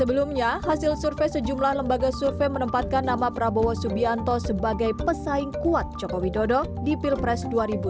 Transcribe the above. sebelumnya hasil survei sejumlah lembaga survei menempatkan nama prabowo subianto sebagai pesaing kuat jokowi dodo di pilpres dua ribu dua puluh